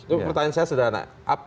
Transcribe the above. itu pertanyaan saya sederhana